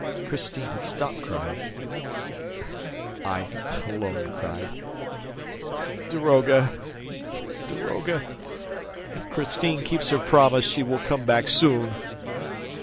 Christine had stopped crying ... I alone cried ... Daroga, daroga, if Christine keeps her promise, she will come back soon!